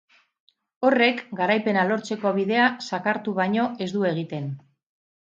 Horrek, garaipena lortzeko bidea zakartu baino ez du egiten.